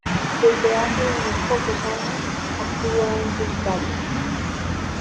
Desde hace unos pocos años, actúa en solitario.